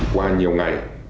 qua nhiều ngày